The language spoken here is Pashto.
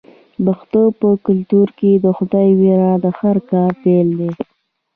د پښتنو په کلتور کې د خدای ویره د هر کار پیل دی.